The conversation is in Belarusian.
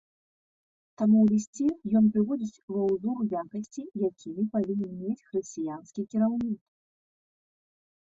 Таму ў лісце ён прыводзіць ва узор якасці, якімі павінен мець хрысціянскі кіраўнік.